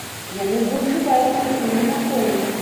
Яны злоўжываюць спіртнымі напоямі.